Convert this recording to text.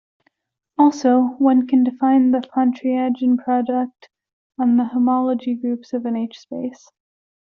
Also, one can define the Pontryagin product on the homology groups of an H-space.